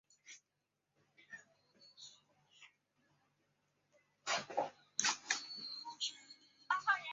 他的梦想是成为世界上最伟大的宝可梦饲育家。